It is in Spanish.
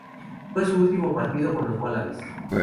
Fue su último partido con los Wallabies.